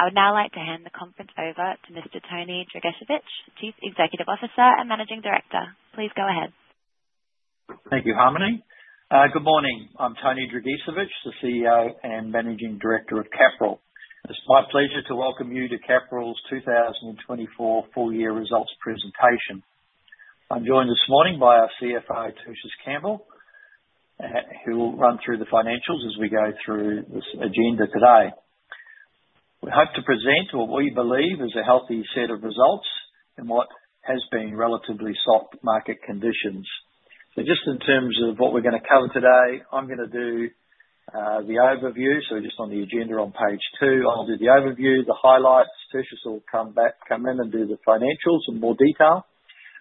I would now like to hand the conference over to Mr. Tony Dragicevich, Chief Executive Officer and Managing Director. Please go ahead. Thank you, Harmony. Good morning. I'm Tony Dragicevich, the CEO and Managing Director of Capral. It's my pleasure to welcome you to Capral's 2024 full-year results presentation. I'm joined this morning by our CFO, Tertius Campbell, who will run through the financials as we go through this agenda today. We hope to present what we believe is a healthy set of results in what has been relatively soft market conditions. Just in terms of what we're going to cover today, I'm going to do the overview. Just on the agenda on page two, I'll do the overview, the highlights. Tertius will come back, come in and do the financials in more detail,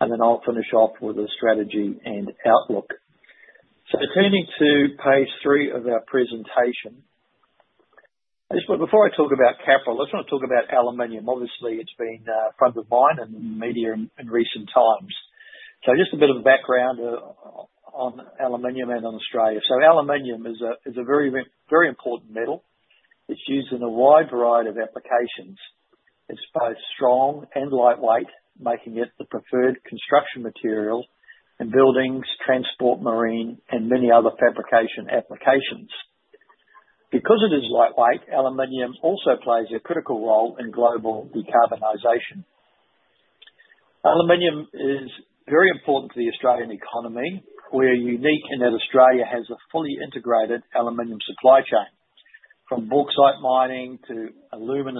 and then I'll finish off with a strategy and outlook. Turning to page three of our presentation, before I talk about Capral, I just want to talk about aluminium. Obviously, it's been front of mind in the media in recent times. Just a bit of background on aluminium and on Australia. Aluminium is a very important metal. It's used in a wide variety of applications. It's both strong and lightweight, making it the preferred construction material in buildings, transport, marine, and many other fabrication applications. Because it is lightweight, aluminium also plays a critical role in global decarbonization. Aluminium is very important to the Australian economy. We are unique in that Australia has a fully integrated aluminium supply chain, from bauxite mining to alumina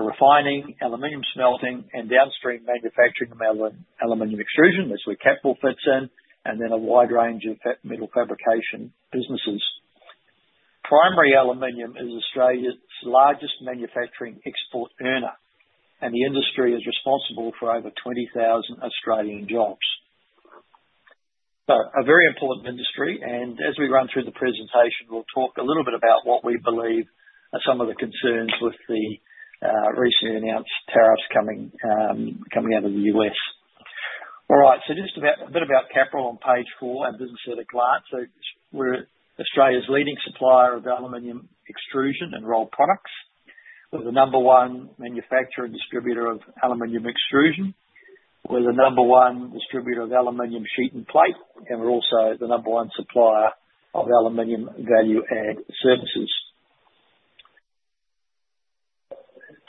refining, aluminium smelting, and downstream manufacturing of aluminium extrusion, as Capral fits in, and then a wide range of metal fabrication businesses. Primary aluminium is Australia's largest manufacturing export earner, and the industry is responsible for over 20,000 Australian jobs. A very important industry. As we run through the presentation, we'll talk a little bit about what we believe are some of the concerns with the recently announced tariffs coming out of the U.S. All right. Just a bit about Capral on page four and business at a glance. We're Australia's leading supplier of aluminium extrusion and raw products. We're the number one manufacturer and distributor of aluminium extrusion. We're the number one distributor of aluminium sheet and plate, and we're also the number one supplier of aluminium value-add services.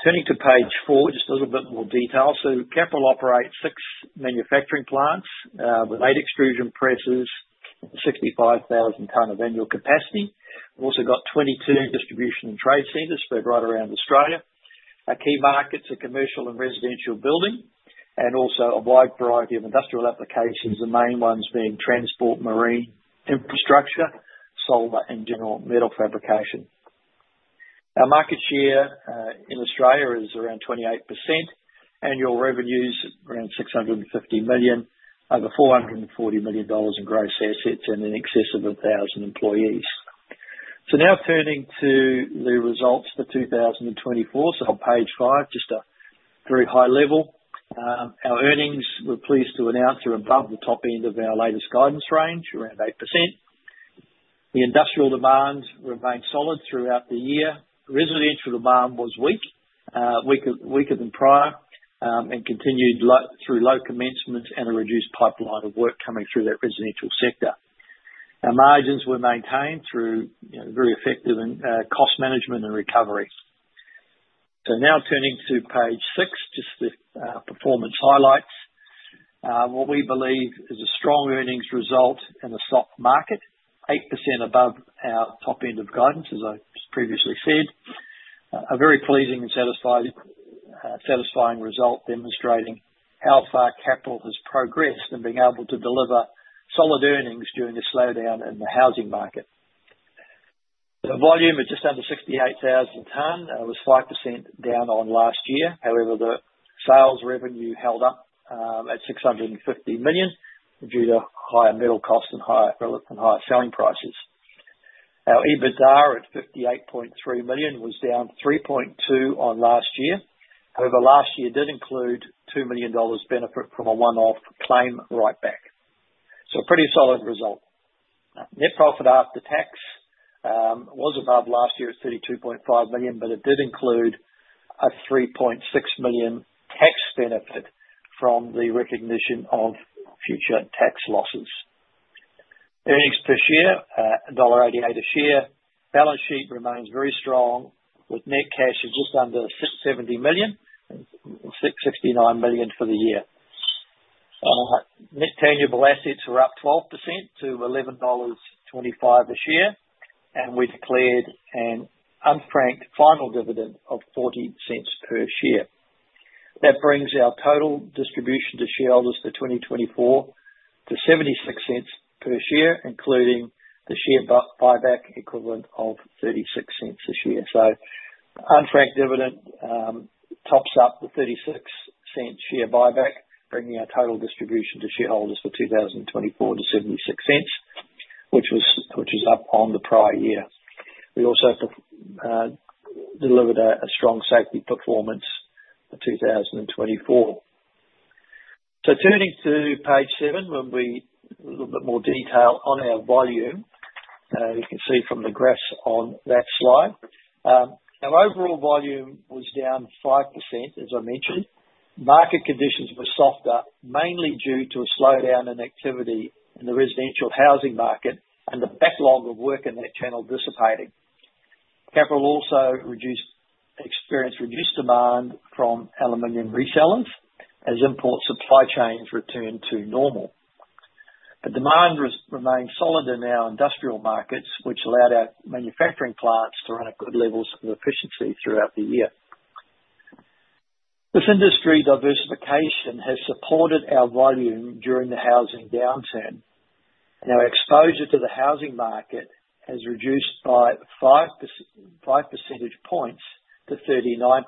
Turning to page four, just a little bit more detail. Capral operates six manufacturing plants with eight extrusion presses, 65,000 ton of annual capacity. We've also got 22 distribution and trade centers spread right around Australia. Our key markets are commercial and residential building, and also a wide variety of industrial applications, the main ones being transport, marine infrastructure, solar, and general metal fabrication. Our market share in Australia is around 28%. Annual revenues around 650 million, over 440 million dollars in gross assets, and in excess of 1,000 employees. Now turning to the results for 2024. On page five, just a very high level. Our earnings, we're pleased to announce, are above the top end of our latest guidance range, around 8%. The industrial demand remained solid throughout the year. Residential demand was weaker, weaker than prior, and continued through low commencements and a reduced pipeline of work coming through that residential sector. Our margins were maintained through very effective cost management and recovery. Now turning to page six, just the performance highlights. What we believe is a strong earnings result in a soft market, 8% above our top end of guidance, as I previously said. A very pleasing and satisfying result demonstrating how far Capral has progressed in being able to deliver solid earnings during a slowdown in the housing market. The volume is just under 68,000 ton. It was 5% down on last year. However, the sales revenue held up at 650 million due to higher metal costs and higher selling prices. Our EBITDA at 58.3 million was down 3.2 million on last year. However, last year did include 2 million dollars benefit from a one-off claim write-back. A pretty solid result. Net profit after tax was above last year at 32.5 million, but it did include a 3.6 million tax benefit from the recognition of future tax losses. Earnings per share, dollar 1.88 a share. Balance sheet remains very strong with net cash of just under 70 million, 69 million for the year. Net tangible assets were up 12% to 11.25 dollars a share, and we declared an unfranked final dividend of 0.40 per share. That brings our total distribution to shareholders for 2024 to 0.76 per share, including the share buyback equivalent of 0.36 a share. Unfranked dividend tops up the 0.36 share buyback, bringing our total distribution to shareholders for 2024 to 0.76, which is up on the prior year. We also delivered a strong safety performance for 2024. Turning to page seven, when we look at more detail on our volume, you can see from the graphs on that slide. Our overall volume was down 5%, as I mentioned. Market conditions were softer, mainly due to a slowdown in activity in the residential housing market and the backlog of work in that channel dissipating. Capral also experienced reduced demand from aluminium resellers as import supply chains returned to normal. The demand remained solid in our industrial markets, which allowed our manufacturing plants to run at good levels of efficiency throughout the year. This industry diversification has supported our volume during the housing downturn, and our exposure to the housing market has reduced by five percentage points to 39%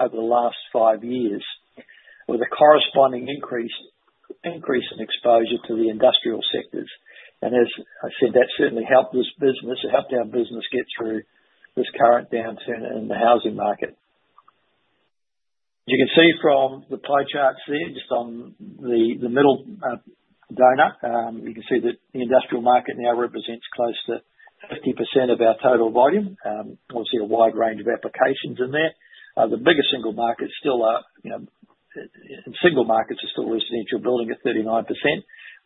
over the last five years, with a corresponding increase in exposure to the industrial sectors. That certainly helped our business get through this current downturn in the housing market. You can see from the pie charts there, just on the middle donut, you can see that the industrial market now represents close to 50% of our total volume. We'll see a wide range of applications in there. The biggest single markets are still residential building at 39%,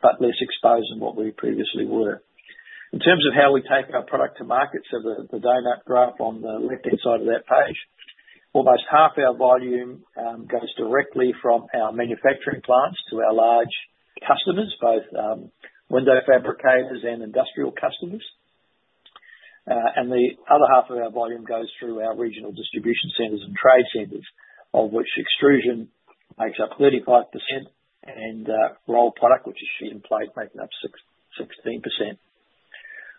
but less exposed than what we previously were. In terms of how we take our product to market, the donut graph on the left-hand side of that page, almost half our volume goes directly from our manufacturing plants to our large customers, both window fabricators and industrial customers. The other half of our volume goes through our regional distribution centers and trade centers, of which extrusion makes up 35%, and raw product, which is sheet and plate, making up 16%.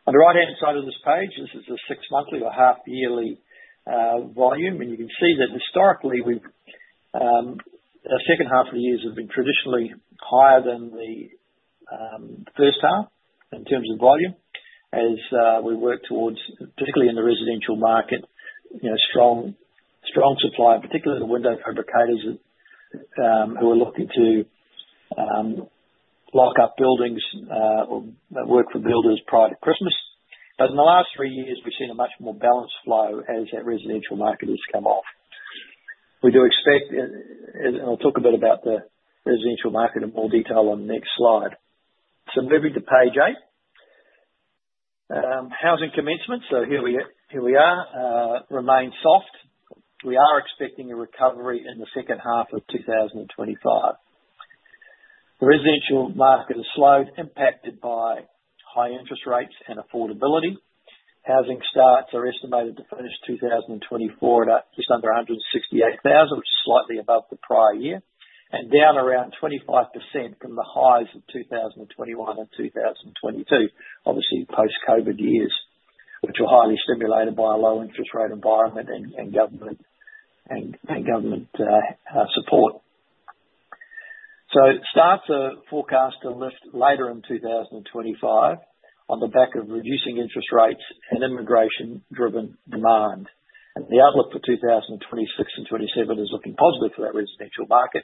On the right-hand side of this page, this is a six-monthly or half-yearly volume, and you can see that historically the second half of the years have been traditionally higher than the first half in terms of volume as we work towards, particularly in the residential market, strong supply, particularly the window fabricators who are looking to lock up buildings or work for builders prior to Christmas. In the last three years, we've seen a much more balanced flow as that residential market has come off. We do expect, and I'll talk a bit about the residential market in more detail on the next slide. Moving to page eight. Housing commencement, here we are, remains soft. We are expecting a recovery in the second half of 2025. The residential market has slowed, impacted by high interest rates and affordability. Housing starts are estimated to finish 2024 at just under 168,000, which is slightly above the prior year, and down around 25% from the highs of 2021 and 2022, obviously post-COVID years, which are highly stimulated by a low interest rate environment and government support. Starts are forecast to lift later in 2025 on the back of reducing interest rates and immigration-driven demand. The outlook for 2026 and 2027 is looking positive for that residential market,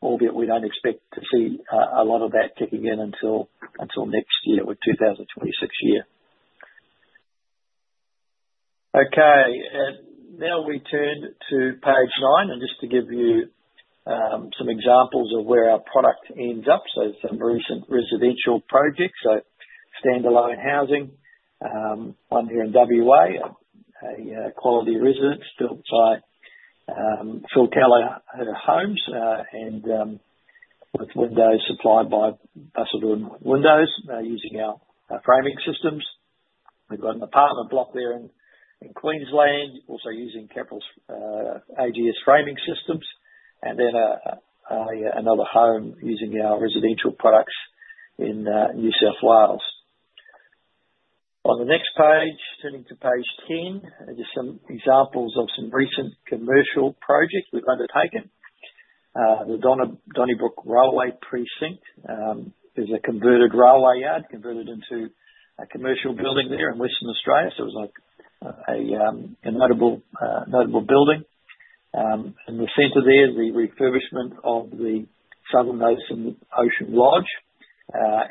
albeit we do not expect to see a lot of that kicking in until next year with 2026 year. Okay. Now we turn to page nine, and just to give you some examples of where our product ends up, some recent residential projects, standalone housing. One here in WA, a quality residence built by Phil Kelleher Homes, and with windows supplied by Busselton Windows, using our framing systems. We've got an apartment block there in Queensland, also using Capral's AGS framing systems, and then another home using our residential products in New South Wales. On the next page, turning to page 10, just some examples of some recent commercial projects we've undertaken. The Donnybrook Railway Precinct is a converted railway yard, converted into a commercial building there in Western Australia. It was a notable building. In the center there is the refurbishment of the Southern Ocean Lodge,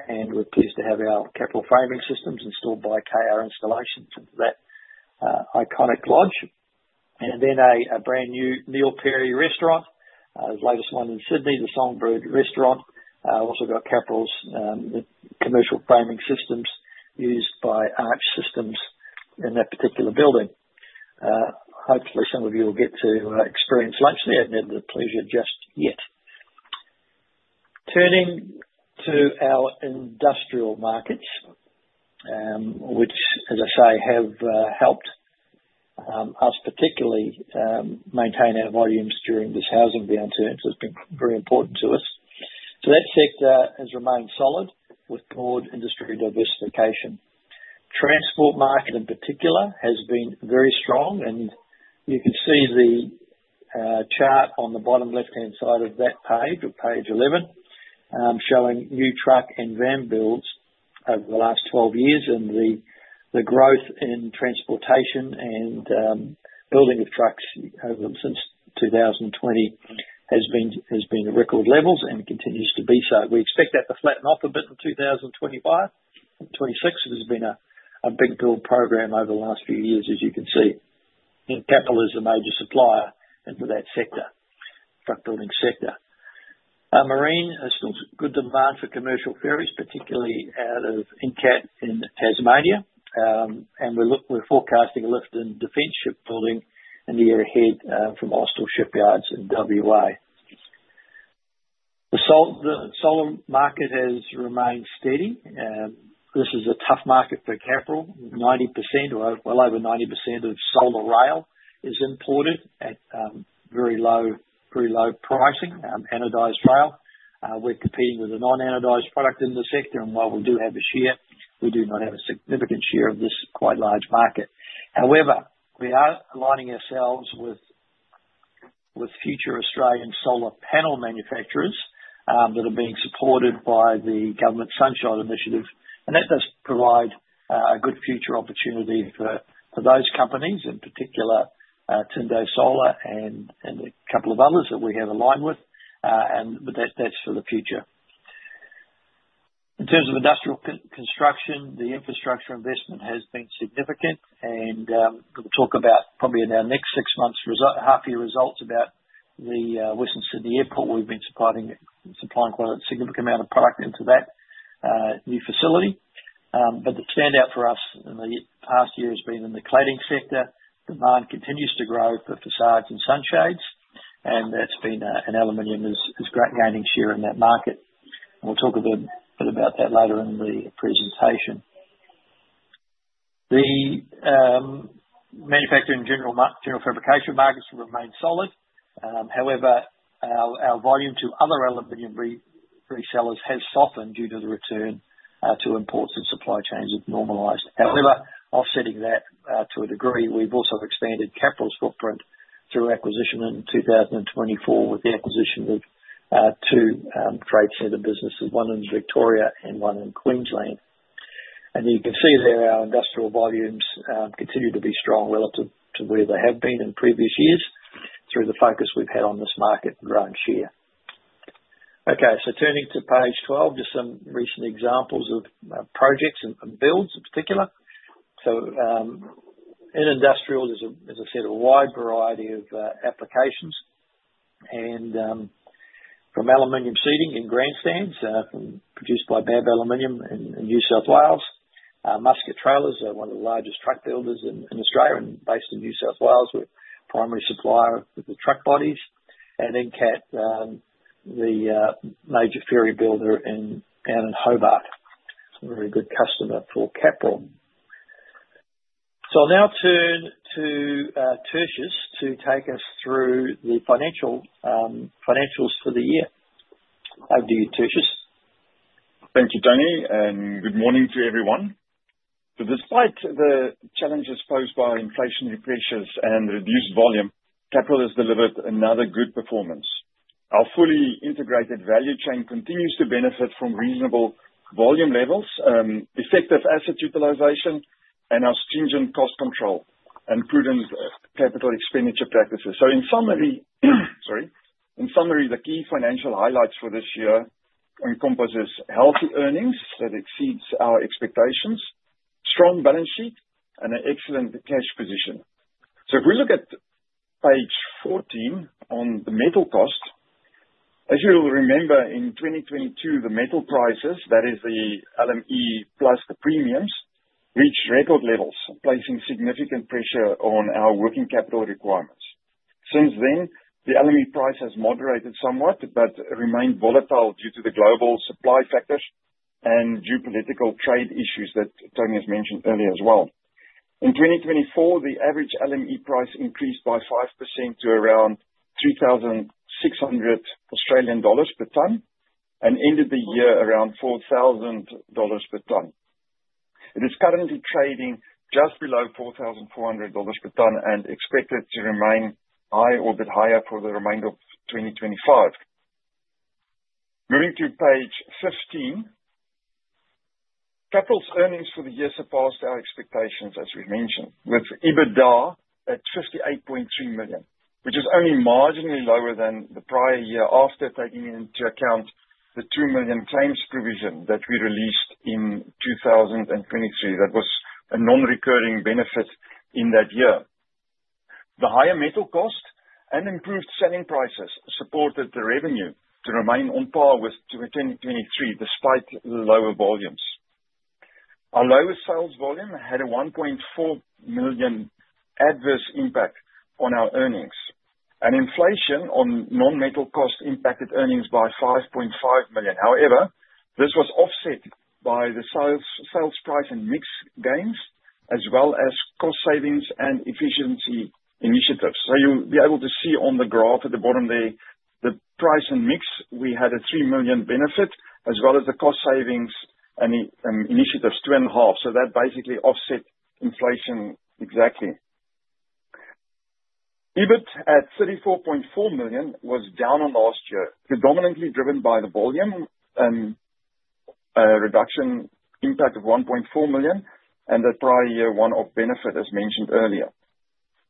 and we're pleased to have our Capral framing systems installed by KR Installations into that iconic lodge. A brand new Neil Perry restaurant, the latest one in Sydney, the Song Bird Restaurant. We've also got Capral's commercial framing systems used by Arch Systems in that particular building. Hopefully, some of you will get to experience lunch there. I've never had the pleasure just yet. Turning to our industrial markets, which, as I say, have helped us particularly maintain our volumes during this housing downturn, it has been very important to us. That sector has remained solid with broad industry diversification. Transport market in particular has been very strong, and you can see the chart on the bottom left-hand side of that page, or page 11, showing new truck and van builds over the last 12 years, and the growth in transportation and building of trucks since 2020 has been record levels and continues to be so. We expect that to flatten off a bit in 2025 and 2026. It has been a big build program over the last few years, as you can see. Capral is a major supplier into that sector, truck building sector. Marine has been good demand for commercial ferries, particularly out of Incat in Tasmania, and we're forecasting a lift in defense shipbuilding in the year ahead from Austal Shipyards in WA. The solar market has remained steady. This is a tough market for Capral. 90%, well over 90% of solar rail is imported at very low pricing, anodized rail. We're competing with a non-anodized product in the sector, and while we do have a share, we do not have a significant share of this quite large market. However, we are aligning ourselves with future Australian solar panel manufacturers that are being supported by the government sunshine initiative, and that does provide a good future opportunity for those companies, in particular Tindo Solar and a couple of others that we have aligned with, but that's for the future. In terms of industrial construction, the infrastructure investment has been significant, and we'll talk about probably in our next six months, half-year results about the Western Sydney Airport. We've been supplying quite a significant amount of product into that new facility. The standout for us in the past year has been in the cladding sector. Demand continues to grow for facades and sunshades, and aluminium is gaining share in that market. We'll talk a bit about that later in the presentation. The manufacturing general fabrication markets have remained solid. However, our volume to other aluminium resellers has softened due to the return to imports and supply chains have normalized. However, offsetting that to a degree, we've also expanded Capral's footprint through acquisition in 2024 with the acquisition of two trade center businesses, one in Victoria and one in Queensland. You can see there our industrial volumes continue to be strong relative to where they have been in previous years through the focus we have had on this market and growing share. Turning to page 12, just some recent examples of projects and builds in particular. In industrial, there is a set of wide variety of applications, and from aluminium seating in grandstands produced by BAB Aluminium in New South Wales. Muscat Trailers are one of the largest truck builders in Australia and based in New South Wales. We are a primary supplier with the truck bodies. Incat, the major ferry builder down in Hobart, is a very good customer for Capral. I will now turn to Tertius to take us through the financials for the year. Over to you, Tertius. Thank you, Tony, and good morning to everyone. Despite the challenges posed by inflationary pressures and reduced volume, Capral has delivered another good performance. Our fully integrated value chain continues to benefit from reasonable volume levels, effective asset utilization, and our stringent cost control and prudent capital expenditure practices. In summary, the key financial highlights for this year encompass healthy earnings that exceed our expectations, a strong balance sheet, and an excellent cash position. If we look at page 14 on the metal cost, as you'll remember, in 2022, the metal prices, that is the LME plus the premiums, reached record levels, placing significant pressure on our working capital requirements. Since then, the LME price has moderated somewhat, but remained volatile due to the global supply factors and geopolitical trade issues that Tony has mentioned earlier as well. In 2024, the average LME price increased by 5% to around 3,600 Australian dollars per ton and ended the year around 4,000 dollars per ton. It is currently trading just below 4,400 dollars per ton and expected to remain high or a bit higher for the remainder of 2025. Moving to page 15, Capral's earnings for the year surpassed our expectations, as we've mentioned, with EBITDA at 58.3 million, which is only marginally lower than the prior year after taking into account the 2 million claims provision that we released in 2023. That was a non-recurring benefit in that year. The higher metal cost and improved selling prices supported the revenue to remain on par with 2023 despite lower volumes. Our lowest sales volume had a 1.4 million adverse impact on our earnings, and inflation on non-metal costs impacted earnings by 5.5 million. However, this was offset by the sales price and mix gains, as well as cost savings and efficiency initiatives. You will be able to see on the graph at the bottom there, the price and mix, we had an 3 million benefit, as well as the cost savings and initiatives, 2.5 million. That basically offset inflation exactly. EBIT at 34.4 million was down on last year, predominantly driven by the volume reduction impact of 1.4 million, and that prior year one-off benefit, as mentioned earlier.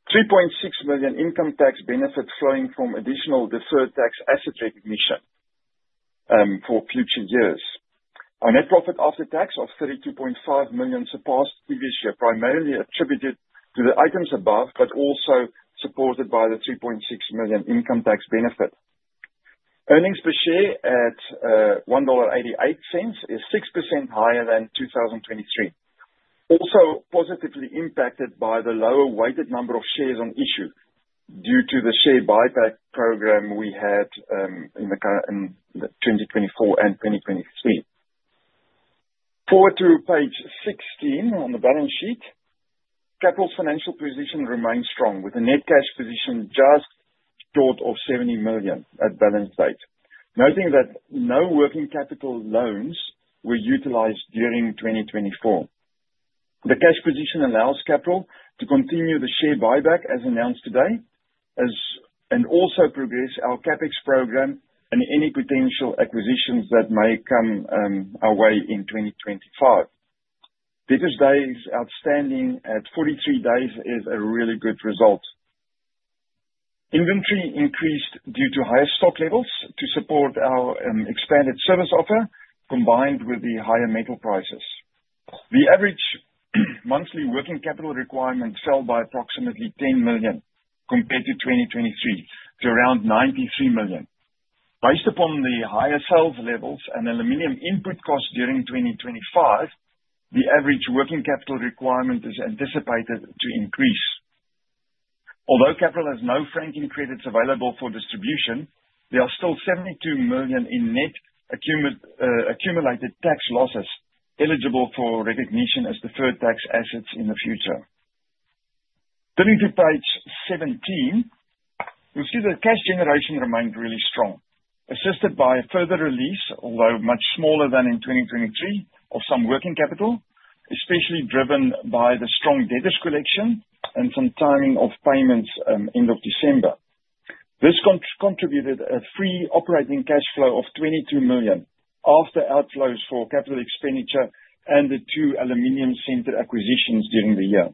3.6 million income tax benefit flowing from additional deferred tax asset recognition for future years. Our net profit after tax of 32.5 million surpassed previous year, primarily attributed to the items above, but also supported by the 3.6 million income tax benefit. Earnings per share at $1.88 is 6% higher than 2023, also positively impacted by the lower weighted number of shares on issue due to the share buyback program we had in 2024 and 2023. Forward to page 16 on the balance sheet, Capral's financial position remained strong, with a net cash position just short of 70 million at balance date, noting that no working capital loans were utilized during 2024. The cash position allows Capral to continue the share buyback as announced today and also progress our CapEx program and any potential acquisitions that may come our way in 2025. Business days outstanding at 43 days is a really good result. Inventory increased due to higher stock levels to support our expanded service offer, combined with the higher metal prices. The average monthly working capital requirement fell by approximately 10 million compared to 2023, to around 93 million. Based upon the higher sales levels and aluminium input costs during 2025, the average working capital requirement is anticipated to increase. Although Capral has no franking credits available for distribution, there are still 72 million in net accumulated tax losses eligible for recognition as deferred tax assets in the future. Turning to page 17, we'll see that cash generation remained really strong, assisted by a further release, although much smaller than in 2023, of some working capital, especially driven by the strong debtors collection and some timing of payments end of December. This contributed a free operating cash flow of 22 million after outflows for capital expenditure and the two aluminium center acquisitions during the year.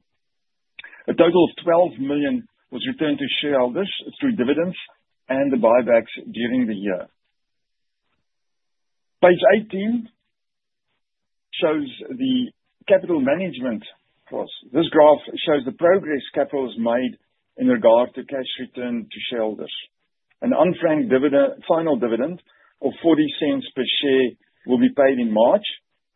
A total of 12 million was returned to shareholders through dividends and the buybacks during the year. Page 18 shows the capital management costs. This graph shows the progress Capral has made in regard to cash return to shareholders. An unfranked final dividend of 0.40 per share will be paid in March,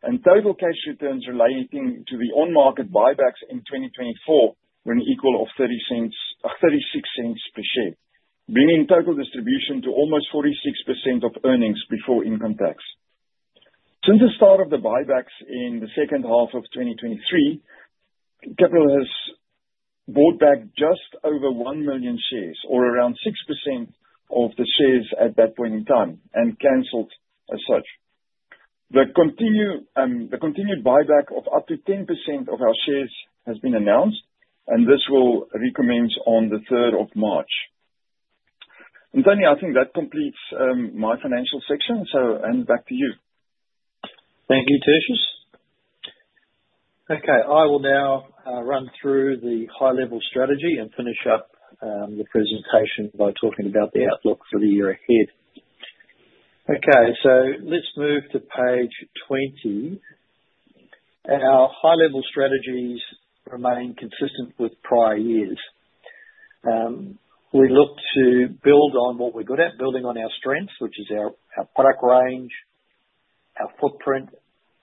and total cash returns relating to the on-market buybacks in 2024 were an equal of 0.36 per share, bringing total distribution to almost 46% of earnings before income tax. Since the start of the buybacks in the second half of 2023, Capral has bought back just over 1 million shares, or around 6% of the shares at that point in time, and canceled as such. The continued buyback of up to 10% of our shares has been announced, and this will recommence on the 3rd of March. Tony, I think that completes my financial section, so hand back to you. Thank you, Tertius. Okay, I will now run through the high-level strategy and finish up the presentation by talking about the outlook for the year ahead. Okay, let's move to page 20. Our high-level strategies remain consistent with prior years. We look to build on what we're good at, building on our strengths, which is our product range, our footprint,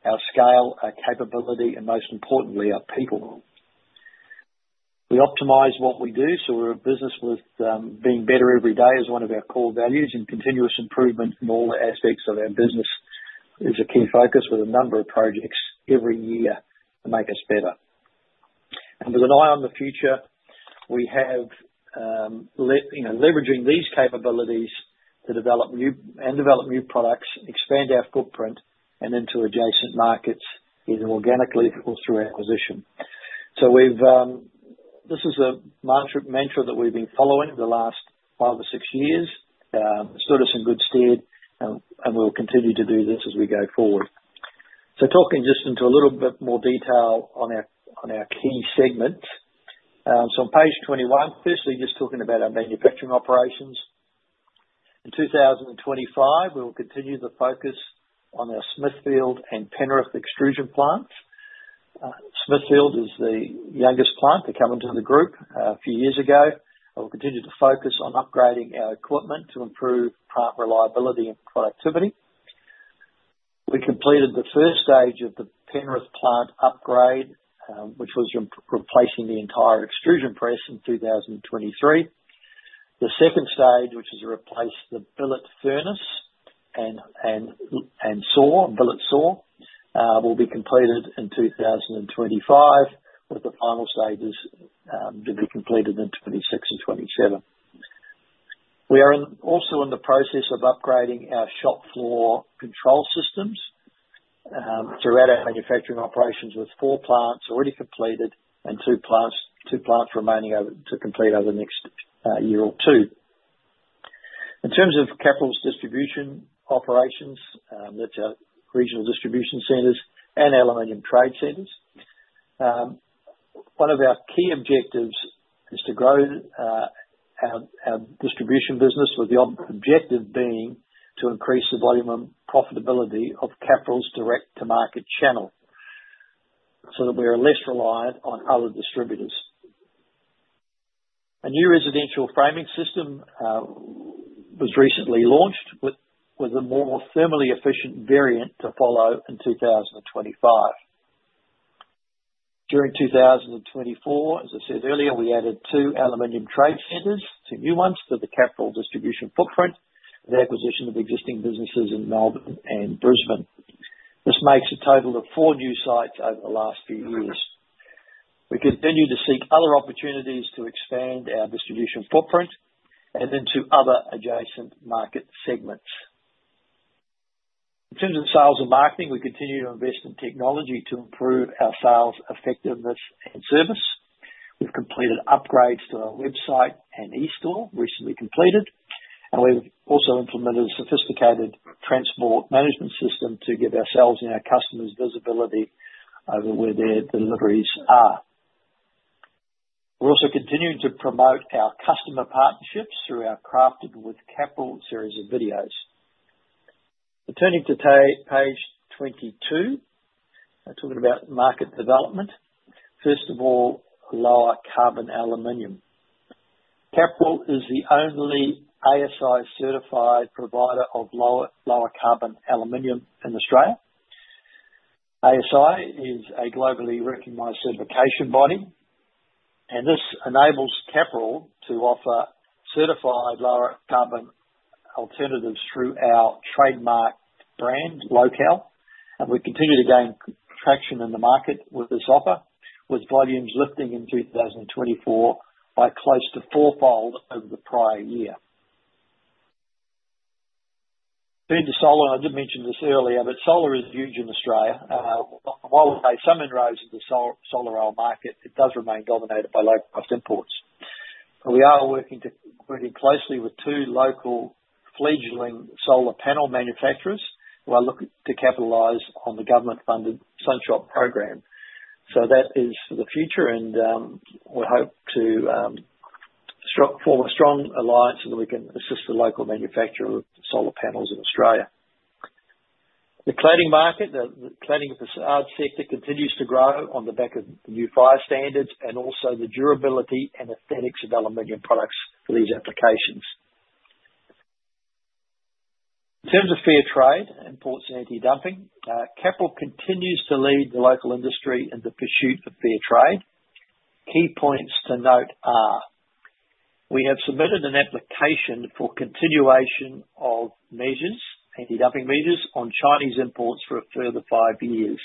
our scale, our capability, and most importantly, our people. We optimize what we do, so we're a business with being better every day is one of our core values, and continuous improvement in all aspects of our business is a key focus with a number of projects every year to make us better. With an eye on the future, we have leveraging these capabilities to develop new and develop new products, expand our footprint, and into adjacent markets either organically or through acquisition. This is a mantra that we've been following the last five or six years. It's put us in good stead, and we'll continue to do this as we go forward. Talking just into a little bit more detail on our key segments. On page 21, firstly, just talking about our manufacturing operations. In 2025, we will continue the focus on our Smithfield and Penrith extrusion plants. Smithfield is the youngest plant to come into the group a few years ago. We'll continue to focus on upgrading our equipment to improve plant reliability and productivity. We completed the first stage of the Penrith plant upgrade, which was replacing the entire extrusion press in 2023. The second stage, which is to replace the billet furnace and saw, billet saw, will be completed in 2025, with the final stages to be completed in 2026 and 2027. We are also in the process of upgrading our shop floor control systems throughout our manufacturing operations, with four plants already completed and two plants remaining to complete over the next year or two. In terms of Capral's distribution operations, which are regional distribution centers and aluminium trade centers, one of our key objectives is to grow our distribution business, with the objective being to increase the volume and profitability of Capral's direct-to-market channel so that we are less reliant on other distributors. A new residential framing system was recently launched with a more thermally efficient variant to follow in 2025. During 2024, as I said earlier, we added two aluminium trade centers, two new ones for the Capral distribution footprint and the acquisition of existing businesses in Melbourne and Brisbane. This makes a total of four new sites over the last few years. We continue to seek other opportunities to expand our distribution footprint and into other adjacent market segments. In terms of sales and marketing, we continue to invest in technology to improve our sales effectiveness and service. We have completed upgrades to our website and e-store, recently completed, and we have also implemented a sophisticated transport management system to give ourselves and our customers visibility over where their deliveries are. We are also continuing to promote our customer partnerships through our Crafted with Capral series of videos. Turning to page 22, talking about market development, first of all, lower carbon aluminium. Capral is the only ASI-certified provider of lower carbon aluminium in Australia. ASI is a globally recognized certification body, and this enables Capral to offer certified lower carbon alternatives through our trademark brand, LocAl, and we continue to gain traction in the market with this offer, with volumes lifting in 2024 by close to fourfold over the prior year. Turning to solar, I did mention this earlier, but solar is huge in Australia. While we may have some inroads into the solar rail market, it does remain dominated by low-cost imports. We are working closely with two local fledgling solar panel manufacturers who are looking to capitalize on the government-funded Sunshot program. That is for the future, and we hope to form a strong alliance so that we can assist the local manufacturer of solar panels in Australia. The cladding market, the cladding facade sector, continues to grow on the back of new fire standards and also the durability and aesthetics of aluminium products for these applications. In terms of fair trade and imports and anti-dumping, Capral continues to lead the local industry in the pursuit of fair trade. Key points to note are we have submitted an application for continuation of measures, anti-dumping measures on Chinese imports for a further five years.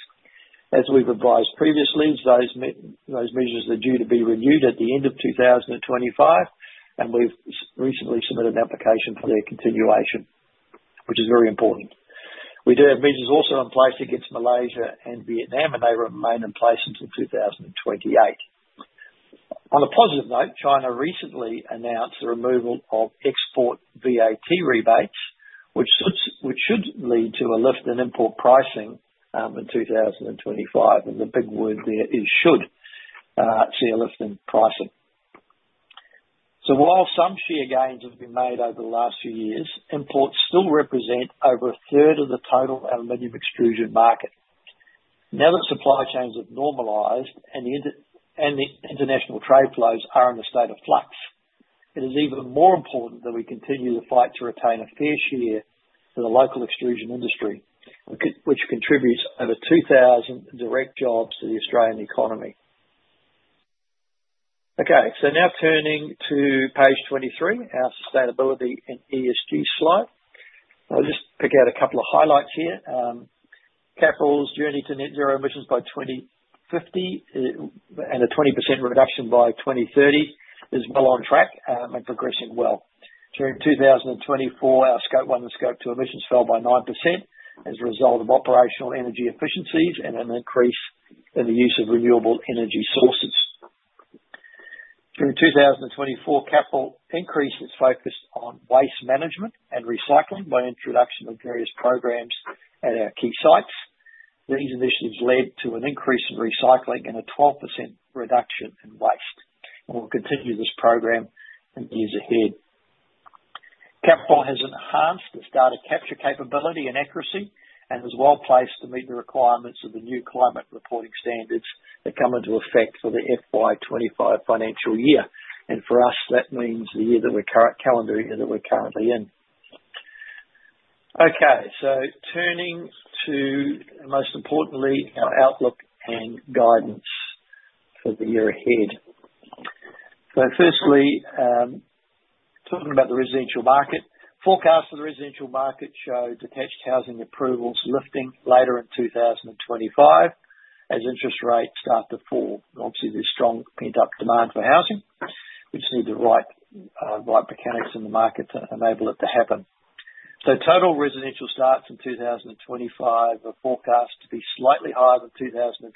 As we have advised previously, those measures are due to be renewed at the end of 2025, and we have recently submitted an application for their continuation, which is very important. We do have measures also in place against Malaysia and Vietnam, and they remain in place until 2028. On a positive note, China recently announced the removal of export VAT rebates, which should lead to a lift in import pricing in 2025, and the big word there is should see a lift in pricing. While some share gains have been made over the last few years, imports still represent over a third of the total aluminium extrusion market. Now that supply chains have normalized and the international trade flows are in a state of flux, it is even more important that we continue the fight to retain a fair share for the local extrusion industry, which contributes over 2,000 direct jobs to the Australian economy. Okay, now turning to page 23, our sustainability and ESG slide. I'll just pick out a couple of highlights here. Capral's journey to net zero emissions by 2050 and a 20% reduction by 2030 is well on track and progressing well. During 2024, our scope one and scope two emissions fell by 9% as a result of operational energy efficiencies and an increase in the use of renewable energy sources. During 2024, Capral increased its focus on waste management and recycling by introduction of various programs at our key sites. These initiatives led to an increase in recycling and a 12% reduction in waste, and we'll continue this program in years ahead. Capral has enhanced its data capture capability and accuracy and is well placed to meet the requirements of the new climate reporting standards that come into effect for the FY25 financial year. For us, that means the year that we're current calendar year that we're currently in. Okay, turning to, most importantly, our outlook and guidance for the year ahead. Firstly, talking about the residential market, forecasts for the residential market show detached housing approvals lifting later in 2025 as interest rates start to fall. Obviously, there is strong pent-up demand for housing. We just need the right mechanics in the market to enable it to happen. Total residential starts in 2025 are forecast to be slightly higher than 2024.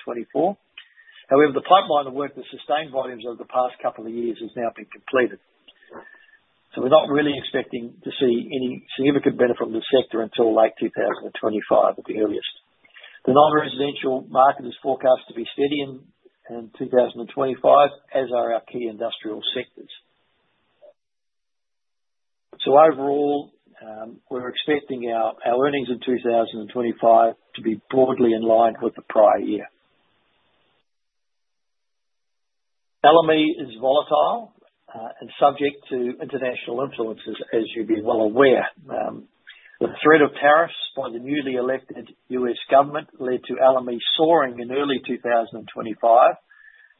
However, the pipeline of work that sustained volumes over the past couple of years has now been completed. We are not really expecting to see any significant benefit from the sector until late 2025 at the earliest. The non-residential market is forecast to be steady in 2025, as are our key industrial sectors. Overall, we are expecting our earnings in 2025 to be broadly in line with the prior year. Aluminium is volatile and subject to international influences, as you will be well aware. The threat of tariffs by the newly elected U.S. government led to aluminium soaring in early 2025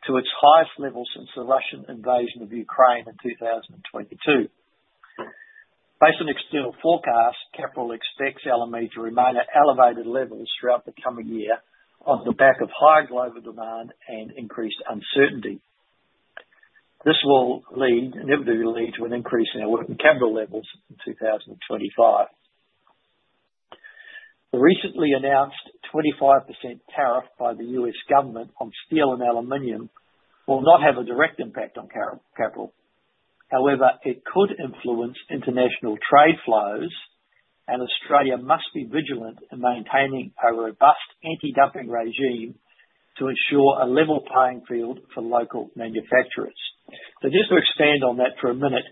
to its highest level since the Russian invasion of Ukraine in 2022. Based on external forecasts, Capral expects aluminium to remain at elevated levels throughout the coming year on the back of higher global demand and increased uncertainty. This will inevitably lead to an increase in our working capital levels in 2025. The recently announced 25% tariff by the U.S. government on steel and aluminium will not have a direct impact on Capral. However, it could influence international trade flows, and Australia must be vigilant in maintaining a robust anti-dumping regime to ensure a level playing field for local manufacturers. Just to expand on that for a minute,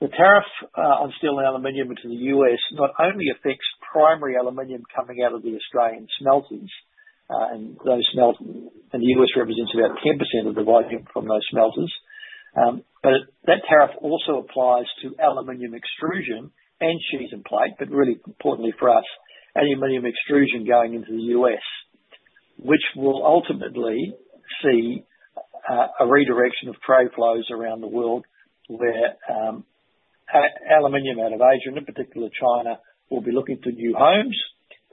the tariff on steel and aluminium into the U.S. not only affects primary aluminium coming out of the Australian smelters, and the U.S. represents about 10% of the volume from those smelters, but that tariff also applies to aluminium extrusion and sheet and plate. Really importantly for us, any aluminium extrusion going into the U.S., which will ultimately see a redirection of trade flows around the world where aluminium out of Asia, and in particular China, will be looking for new homes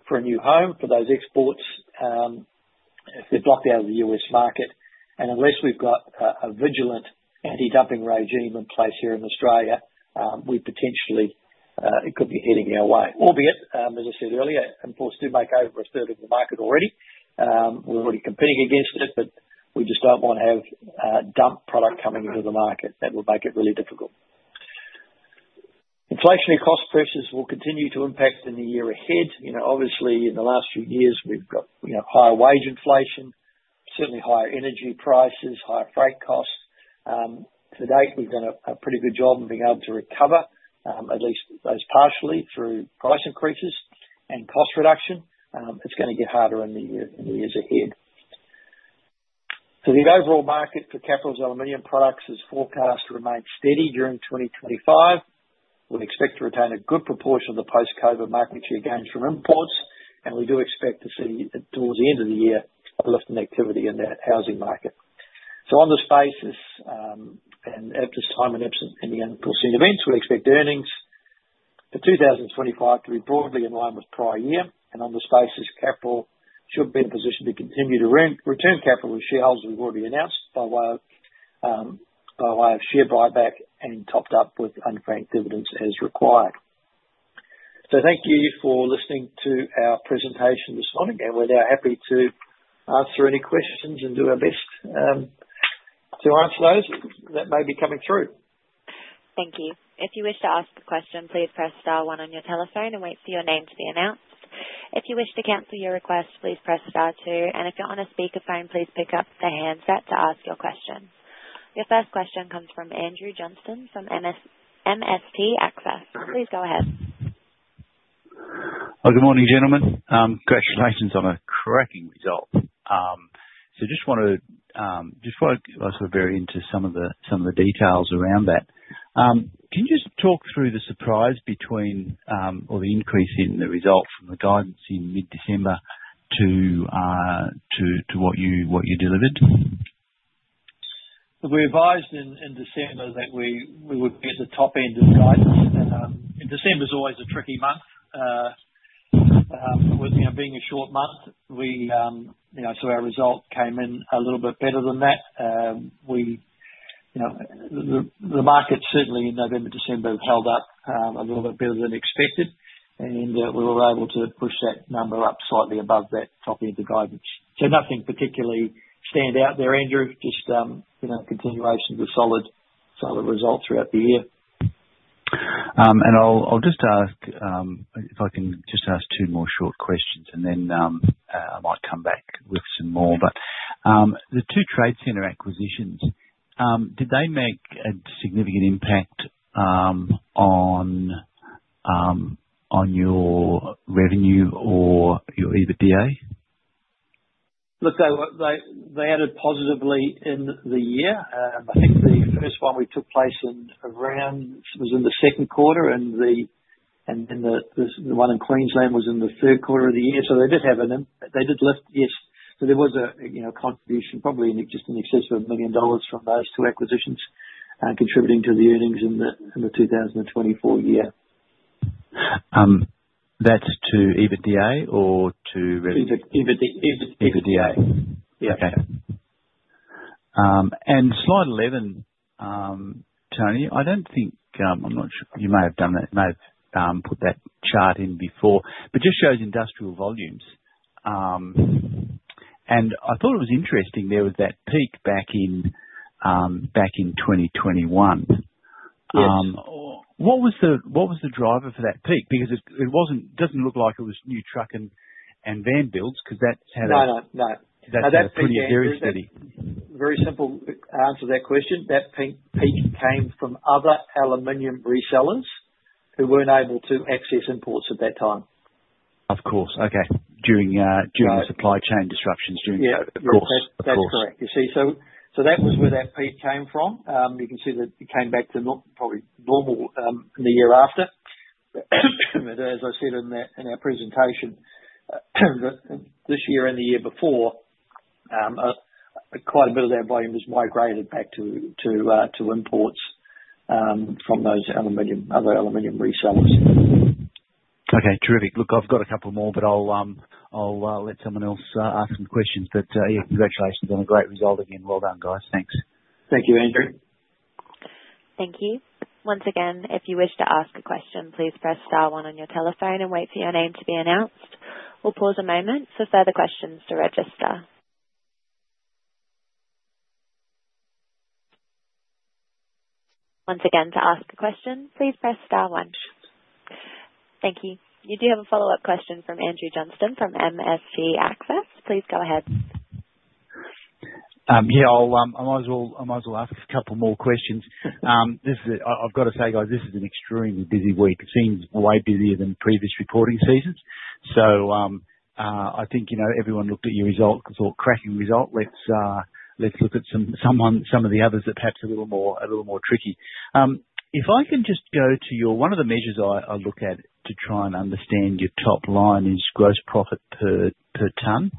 for those exports if they're blocked out of the U.S. market. Unless we've got a vigilant anti-dumping regime in place here in Australia, we potentially could be heading our way. Albeit, as I said earlier, imports do make over a third of the market already. We're already competing against it, but we just don't want to have dump product coming into the market. That would make it really difficult. Inflationary cost pressures will continue to impact in the year ahead. Obviously, in the last few years, we've got higher wage inflation, certainly higher energy prices, higher freight costs. To date, we've done a pretty good job in being able to recover, at least partially, through price increases and cost reduction. It's going to get harder in the years ahead. The overall market for Capral's aluminium products is forecast to remain steady during 2025. We expect to retain a good proportion of the post-COVID market share gains from imports, and we do expect to see towards the end of the year a lift in activity in that housing market. On this basis, and at this time, and in the unforeseen events, we expect earnings for 2025 to be broadly in line with the prior year. On this basis, Capral should be in a position to continue to return capital as shareholders have already announced by way of share buyback and topped up with unfranked dividends as required. Thank you for listening to our presentation this morning, and we're now happy to answer any questions and do our best to answer those that may be coming through. Thank you. If you wish to ask a question, please press star one on your telephone and wait for your name to be announced. If you wish to cancel your request, please press star two. If you're on a speakerphone, please pick up the handset to ask your question. Your first question comes from Andrew Johnston from MST Access. Please go ahead. Good morning, gentlemen. Congratulations on a cracking result. Just want to sort of bury into some of the details around that. Can you just talk through the surprise or the increase in the result from the guidance in mid-December to what you delivered? We advised in December that we would be at the top end of the guidance. December is always a tricky month, being a short month, so our result came in a little bit better than that. The markets certainly in November, December held up a little bit better than expected, and we were able to push that number up slightly above that top end of guidance. Nothing particularly stand out there, Andrew. Just continuation of the solid result throughout the year. I'll just ask if I can just ask two more short questions, and then I might come back with some more. The two trade center acquisitions, did they make a significant impact on your revenue or your EBITDA? Look, they added positively in the year. I think the first one we took place in around was in the second quarter, and the one in Queensland was in the third quarter of the year. They did have an they did lift, yes. There was a contribution, probably just in excess of 1 million dollars from those two acquisitions, contributing to the earnings in the 2024 year. That's to EBITDA or to revenue? EBITDA. EBITDA. Yeah. Okay. Slide 11, Tony, I don't think I'm not sure you may have done that. You may have put that chart in before, but it just shows industrial volumes. I thought it was interesting there was that peak back in 2021. What was the driver for that peak? Because it doesn't look like it was new truck and van builds because that's pretty steady. No, no, no. That's pretty steady. Very simple answer to that question. That peak came from other aluminium resellers who weren't able to access imports at that time. Of course. Okay. During the supply chain disruptions. Of course. Of course. That's correct. You see? So that was where that peak came from. You can see that it came back to probably normal in the year after. As I said in our presentation, this year and the year before, quite a bit of that volume was migrated back to imports from those other aluminium resellers. Okay. Terrific. Look, I've got a couple more, but I'll let someone else ask some questions. Yeah, congratulations on a great result again. Well done, guys. Thanks. Thank you, Andrew. Thank you. Once again, if you wish to ask a question, please press star one on your telephone and wait for your name to be announced. We'll pause a moment for further questions to register. Once again, to ask a question, please press star one. Questions. Thank you. You do have a follow-up question from Andrew Johnston from MST Access. Please go ahead. Yeah. I might as well ask a couple more questions. I've got to say, guys, this is an extremely busy week. It seems way busier than previous reporting seasons. I think everyone looked at your result, thought, "Cracking result." Let's look at some of the others that perhaps are a little more tricky. If I can just go to one of the measures I look at to try and understand your top line is gross profit per ton.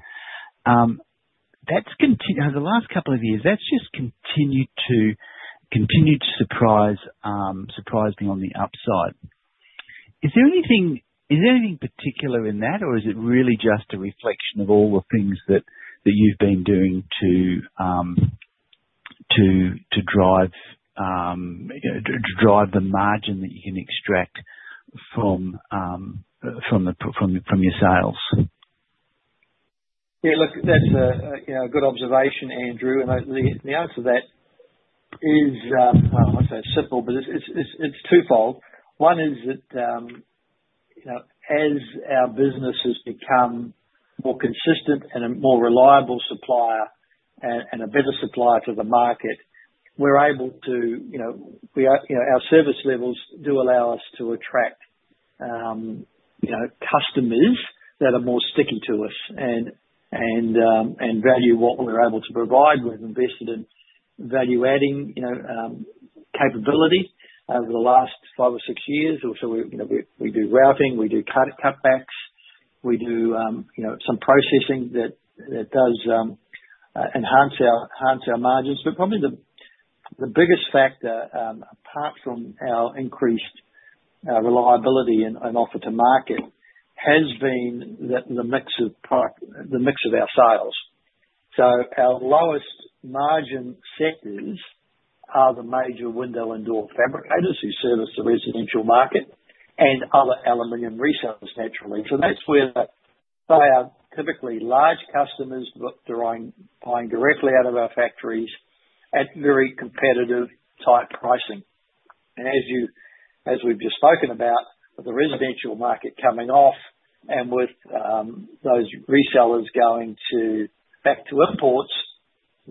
The last couple of years, that's just continued to surprise me on the upside. Is there anything particular in that, or is it really just a reflection of all the things that you've been doing to drive the margin that you can extract from your sales? Yeah. Look, that's a good observation, Andrew. The answer to that is, I won't say it's simple, but it's twofold. One is that as our business has become more consistent and a more reliable supplier and a better supplier to the market, our service levels do allow us to attract customers that are more sticky to us and value what we're able to provide. We've invested in value-adding capability over the last five or six years. We do routing, we do cutbacks, we do some processing that does enhance our margins. Probably the biggest factor, apart from our increased reliability and offer to market, has been the mix of our sales. Our lowest margin sectors are the major window and door fabricators who service the residential market and other aluminium resellers, naturally. That is where they are typically large customers buying directly out of our factories at very competitive-type pricing. As we've just spoken about, with the residential market coming off and with those resellers going back to imports,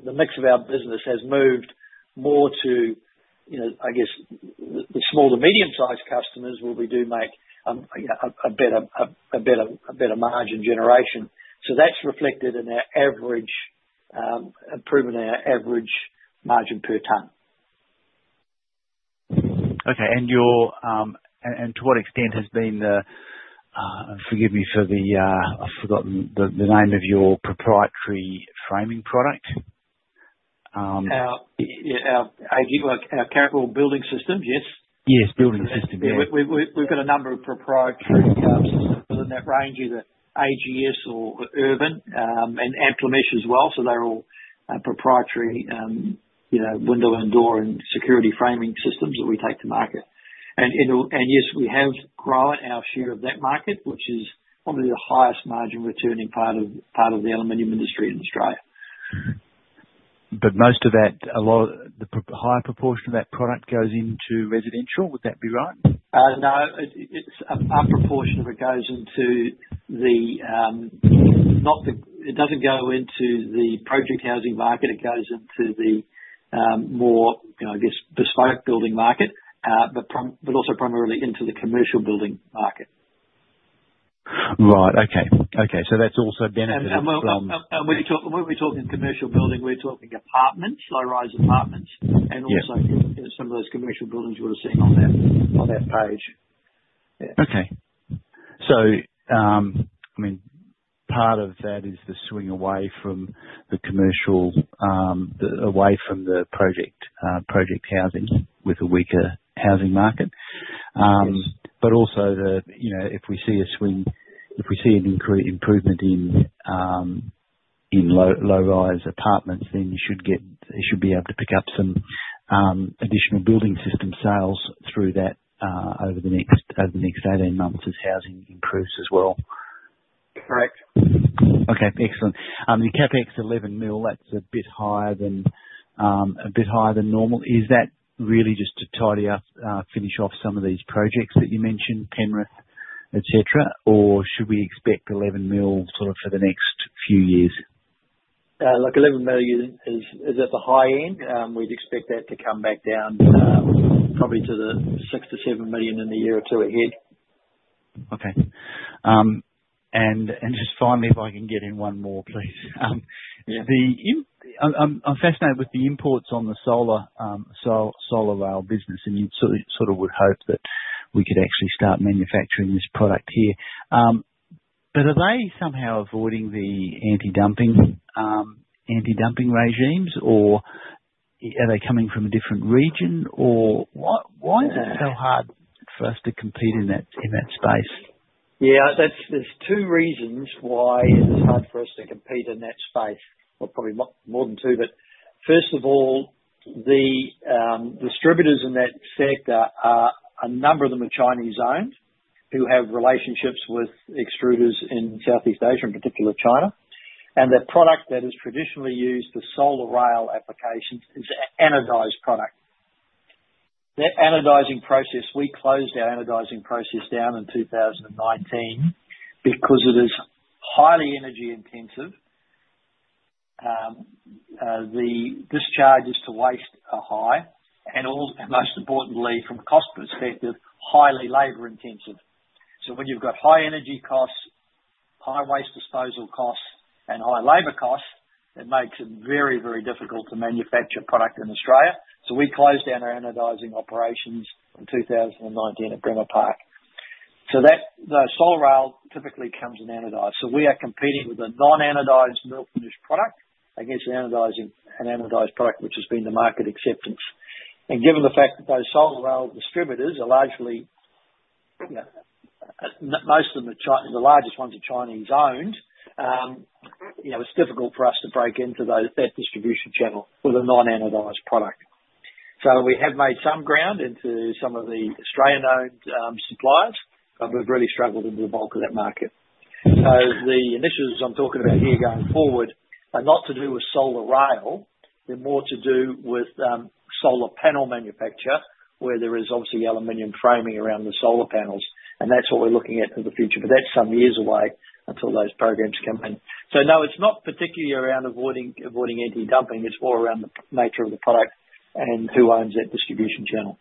the mix of our business has moved more to, I guess, the small to medium-sized customers where we do make a better margin generation. That is reflected in our average improvement in our average margin per ton. Okay. To what extent has been the—forgive me for the—I've forgotten the name of your proprietary framing product? Our capital building systems, yes. Yes. Building systems. Yeah. We've got a number of proprietary systems within that range, either AGS or Urban and Amplimesh as well. They're all proprietary window and door and security framing systems that we take to market. Yes, we have grown our share of that market, which is probably the highest margin returning part of the aluminium industry in Australia. Most of that, a higher proportion of that product goes into residential? Would that be right? No. A proportion of it goes into the—it doesn't go into the project housing market. It goes into the more, I guess, bespoke building market, but also primarily into the commercial building market. Right. Okay. Okay. That's also benefited from— When we're talking commercial building, we're talking low-rise apartments and also some of those commercial buildings we're seeing on that page. Yeah. Okay. I mean, part of that is the swing away from the commercial, away from the project housing with a weaker housing market. Also, if we see a swing, if we see an improvement in low-rise apartments, then you should be able to pick up some additional building system sales through that over the next 18 months as housing improves as well. Correct. Okay. Excellent. The CapEx 11 million, that's a bit higher than normal. Is that really just to tidy up, finish off some of these projects that you mentioned, Penrith, etc.? Or should we expect 11 million sort of for the next few years? Look, 11 million is at the high end. We'd expect that to come back down probably to the 6-7 million in the year or two ahead. Okay. Just finally, if I can get in one more, please. I'm fascinated with the imports on the solar rail business, and you sort of would hope that we could actually start manufacturing this product here. Are they somehow avoiding the anti-dumping regimes, or are they coming from a different region? Why is it so hard for us to compete in that space? Yeah. There are two reasons why it's hard for us to compete in that space, or probably more than two. First of all, the distributors in that sector, a number of them are Chinese-owned who have relationships with extruders in Southeast Asia, in particular China. The product that is traditionally used for solar rail applications is an anodized product. We closed our anodizing process down in 2019 because it is highly energy-intensive. The discharges to waste are high. Most importantly, from a cost perspective, it is highly labor-intensive. When you have high energy costs, high waste disposal costs, and high labor costs, it makes it very, very difficult to manufacture product in Australia. We closed down our anodizing operations in 2019 at Bremer Park. Solar rail typically comes in anodized. We are competing with a non-anodized mill-finished product against an anodized product, which has been the market acceptance. Given the fact that those solar rail distributors are largely—most of them, the largest ones are Chinese-owned—it is difficult for us to break into that distribution channel with a non-anodized product. We have made some ground into some of the Australian-owned suppliers, but we have really struggled in the bulk of that market. The initiatives I'm talking about here going forward are not to do with solar rail. They're more to do with solar panel manufacture, where there is obviously aluminium framing around the solar panels. That's what we're looking at for the future. That's some years away until those programs come in. No, it's not particularly around avoiding anti-dumping. It's more around the nature of the product and who owns that distribution channel.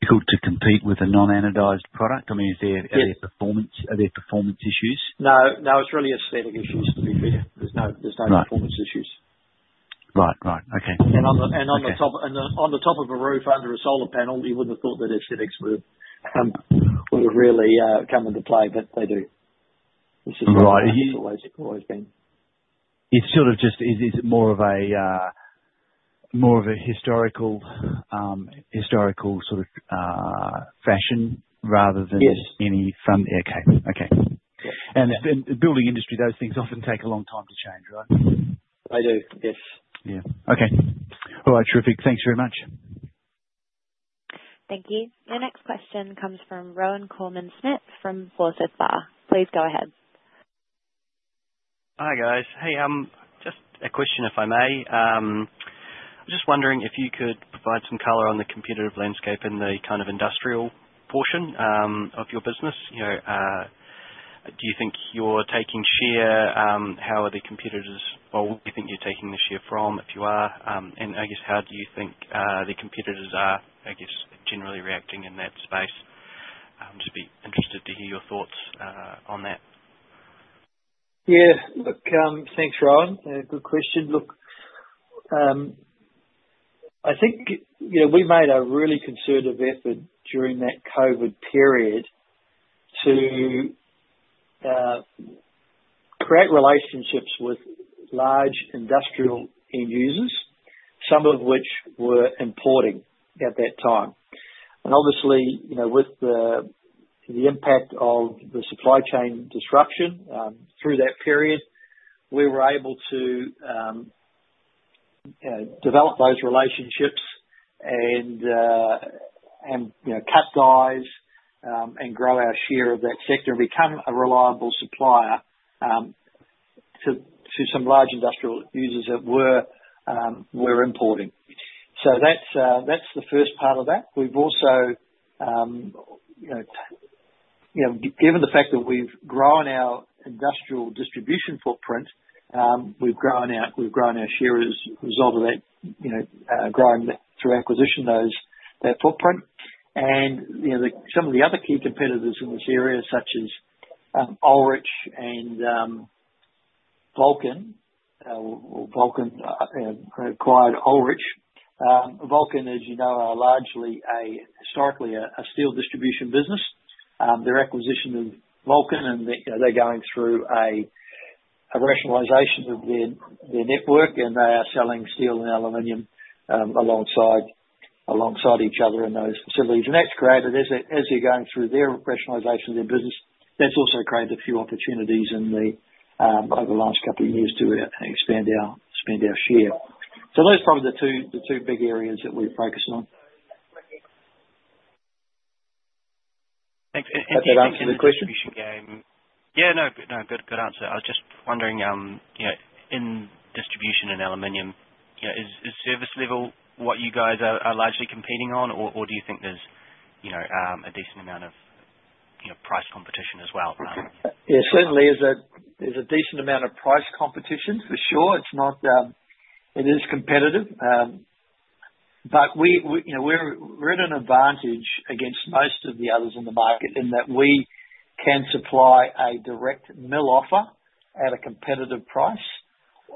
Difficult to compete with a non-anodized product? I mean, are there performance issues? No. No. It's really aesthetic issues, to be fair. There's no performance issues. Right. Right. Okay. On the top of a roof under a solar panel, you wouldn't have thought that aesthetics would have really come into play, but they do. It's just not the case always been. It's sort of just—is it more of a historical sort of fashion rather than any—okay. Okay. In the building industry, those things often take a long time to change, right? They do. Yes. Yeah. Okay. All right. Terrific. Thanks very much. Thank you. The next question comes from Rohan Koreman-Smit from Forsyth Barr. Please go ahead. Hi, guys. Hey, just a question if I may. I'm just wondering if you could provide some color on the competitive landscape in the kind of industrial portion of your business. Do you think you're taking share? How are the competitors—well, what do you think you're taking the share from, if you are? I guess, how do you think the competitors are, I guess, generally reacting in that space? Just be interested to hear your thoughts on that. Yeah. Look, thanks, Rohan. Good question. Look, I think we made a really concerted effort during that COVID period to create relationships with large industrial end users, some of which were importing at that time. Obviously, with the impact of the supply chain disruption through that period, we were able to develop those relationships and cut dies and grow our share of that sector and become a reliable supplier to some large industrial users that were importing. That is the first part of that. We have also, given the fact that we have grown our industrial distribution footprint, grown our share as a result of that, growing through acquisition, that footprint. Some of the other key competitors in this area, such as Ullrich and Vulcan, or Vulcan acquired Ullrich. Vulcan, as you know, are largely historically a steel distribution business. Their acquisition of Vulcan, and they're going through a rationalization of their network, and they are selling steel and aluminium alongside each other in those facilities. That has created, as they're going through their rationalization of their business, that has also created a few opportunities over the last couple of years to expand our share. Those are probably the two big areas that we've focused on. Thanks. Did I answer the question? Yeah. No. No. Good answer. I was just wondering, in distribution and aluminium, is service level what you guys are largely competing on, or do you think there's a decent amount of price competition as well? Yeah. Certainly, there's a decent amount of price competition, for sure. It is competitive. We are at an advantage against most of the others in the market in that we can supply a direct mill offer at a competitive price,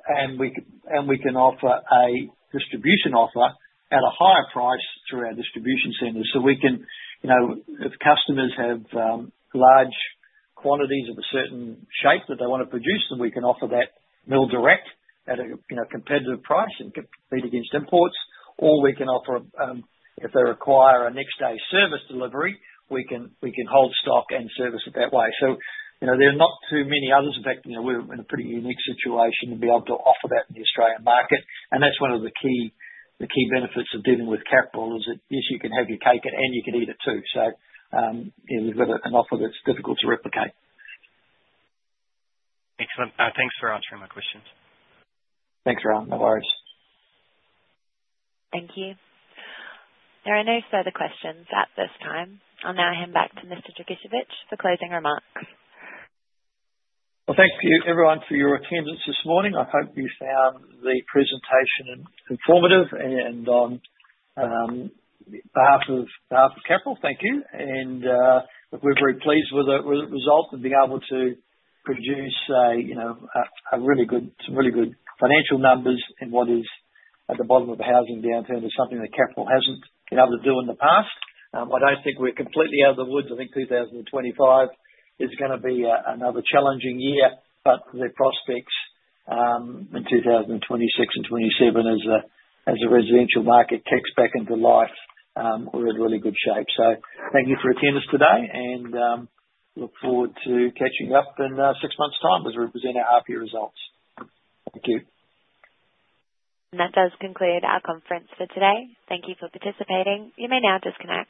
and we can offer a distribution offer at a higher price through our distribution centers. If customers have large quantities of a certain shape that they want to produce, then we can offer that mill direct at a competitive price and compete against imports. If they require a next-day service delivery, we can hold stock and service it that way. There are not too many others. In fact, we are in a pretty unique situation to be able to offer that in the Australian market. That is one of the key benefits of dealing with Capral, is that yes, you can have your cake and you can eat it too. We have got an offer that is difficult to replicate. Excellent. Thanks for answering my questions. Thanks, Rohan. No worries. Thank you. There are no further questions at this time. I'll now hand back to Mr. Dragicevich for closing remarks. Thank you, everyone, for your attendance this morning. I hope you found the presentation informative. On behalf of Capral, thank you. We are very pleased with the result and being able to produce some really good financial numbers in what is at the bottom of the housing downturn, something that Capral has not been able to do in the past. I do not think we are completely out of the woods. I think 2025 is going to be another challenging year. The prospects in 2026 and 2027, as the residential market kicks back into life, mean we are in really good shape. Thank you for attending us today, and look forward to catching up in six months' time as we present our half-year results. Thank you. That does conclude our conference for today. Thank you for participating. You may now disconnect.